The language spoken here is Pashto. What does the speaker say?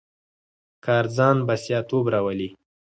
کار ځان بسیا توب راولي.